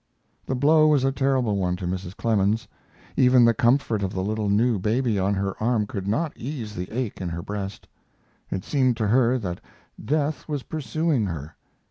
The blow was a terrible one to Mrs. Clemens; even the comfort of the little new baby on her arm could not ease the ache in her breast. It seemed to her that death was pursuing her.